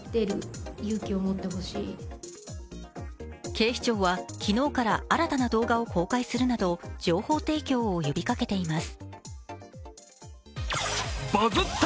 警視庁は昨日から新たな動画を公開するなど情報提供を呼びかけています。